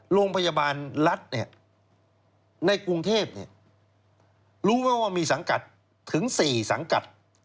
โรงพยาบาลรัฐในกรุงเทพรู้ไหมว่ามีสังกัดถึง๔สังกัด